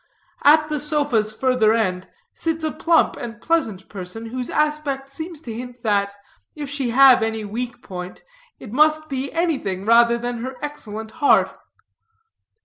At the sofa's further end sits a plump and pleasant person, whose aspect seems to hint that, if she have any weak point, it must be anything rather than her excellent heart.